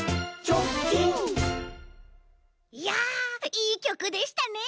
いやいいきょくでしたね。